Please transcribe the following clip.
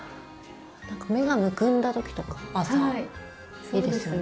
なんか目がむくんだ時とか朝いいですよね。